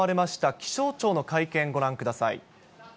気象庁の会見、ご覧ください。